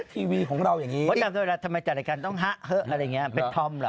ทีวีของเราอย่างงี้ทำไมจากรายการต้องฮะเหอะอะไรอย่างงี้เป็นทอมเหรอ